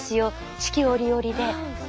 四季折々で。